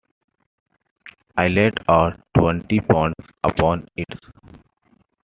I laid out twenty pounds upon it.